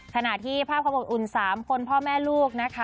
ขณะที่ภาพความอดอุ่น๓คนพ่อแม่ลูกนะคะ